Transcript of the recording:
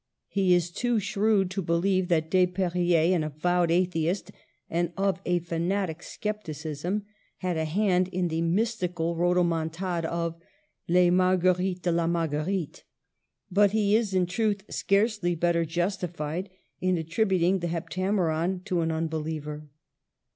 He is too shrewd to believe that Desperriers, an avowed atheist, and of a fanatic scepticism, had a hand in the mystical rhodomontade of '' Les Margue rites de la Marguerite." But he is, in truth, scarcely better justified in attributing the '* Hep tameron " to an unbeliever.